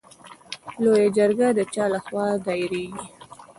لویه جرګه د چا له خوا دایریږي؟